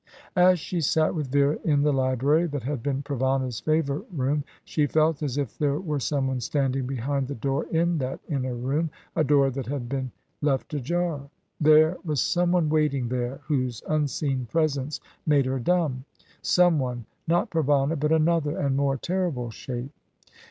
As she sat with Vera in the library that had been Provana's favourite room she felt as if there were someone standing behind the door of that inner room, a door that had been left ajar. There was someone waiting there whose unseen presence made her dumb. Someone! Not Provana but another and more terrible shape.